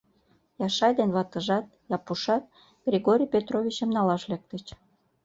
Яшай ден ватыжат, Япушат Григорий Петровичым налаш лектыч.